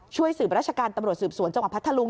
ช่วยสืบราชการตำรวจสืบสวนจังหวัดพัทธลุง